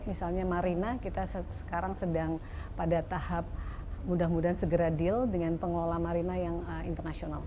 misalnya marina kita sekarang sedang pada tahap mudah mudahan segera deal dengan pengelola marina yang internasional